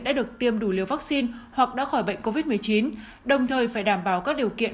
đã được tiêm đủ liều vaccine hoặc đã khỏi bệnh covid một mươi chín đồng thời phải đảm bảo các điều kiện